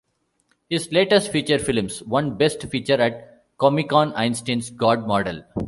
His latest feature films won Best Feature at Comicon Einsteins God Model.